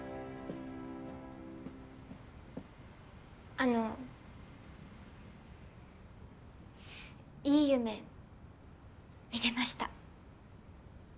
あのいい夢見れました。